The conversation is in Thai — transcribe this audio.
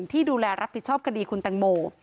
ที่ดูแลรับผิดชอบคดีคุณแตงโม